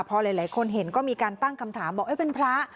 พอหลายคนเห็นก็มีการตั้งคำถามบอกเป็นพระ